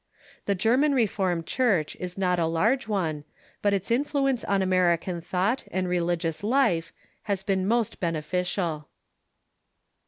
The German Reformed Church is not a large one, but its influence on American thought and religious life has been most beneficial.